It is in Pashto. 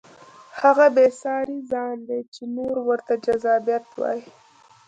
هغه بې ساري ځان دی چې نور ورته جذابیت وایي.